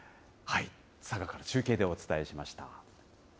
佐賀から中継でお伝えしました。